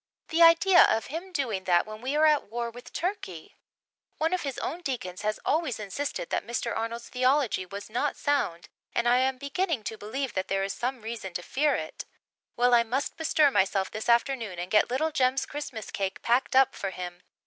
The idea of him doing that when we are at war with Turkey? One of his own deacons has always insisted that Mr. Arnold's theology was not sound and I am beginning to believe that there is some reason to fear it. Well, I must bestir myself this afternoon and get little Jem's Christmas cake packed up for him.